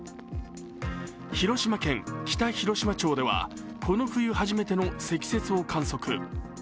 広島県北広島町ではこの冬初めての積雪を観測。